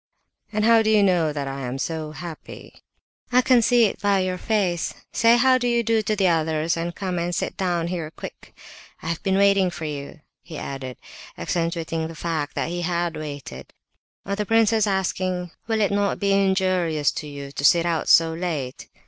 "And how do you know that I am 'so happy'?" "I can see it by your face! Say 'how do you do' to the others, and come and sit down here, quick—I've been waiting for you!" he added, accentuating the fact that he had waited. On the prince's asking, "Will it not be injurious to you to sit out so late?"